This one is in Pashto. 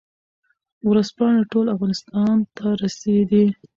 ورځپاڼې ټول افغانستان ته رسېدې.